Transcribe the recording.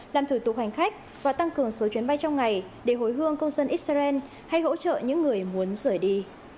làm thủ tục hành khách và tăng cường số chuyến bay trong ngày để hối hương công dân israel hay hỗ trợ những người muốn rời đi